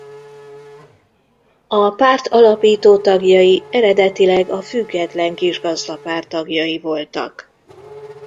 A párt alapító tagjai eredetileg a Független Kisgazdapárt tagjai voltak.